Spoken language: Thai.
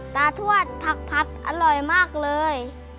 ตาทวดผักอร่อยมากเลย